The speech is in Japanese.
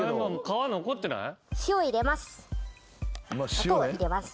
皮残ってない？